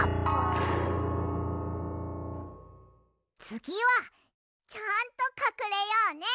つぎはちゃんとかくれようね。